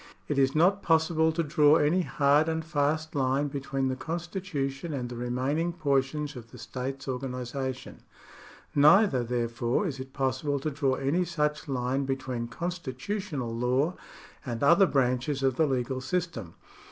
It is not possible to draw any hard and fast line between the constitution and the remaining portions of the state's organi sation ; neither, therefore, is it possible to draw any such line between constitutional law and other branches of the legal system.